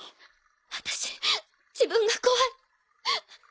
私自分が怖い。